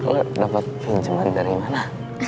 lo dapet pinjeman dari mana